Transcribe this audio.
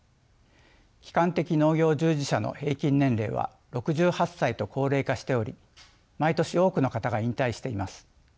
基幹的農業従事者の平均年齢は６８歳と高齢化しており毎年多くの方が引退しています。